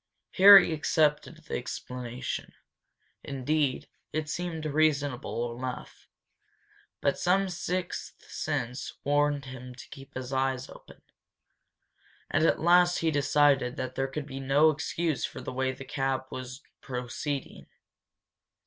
Harry accepted the explanation. Indeed, it seemed reasonable enough. But some sixth sense warned him to keep his eyes open. And at last he decided that there could be no excuse for the way the cab was proceeding.